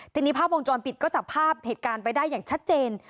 ทีนี้ภาพวงจรปิดก็จับภาพเหตุการณ์ไปได้อย่างชัดเจน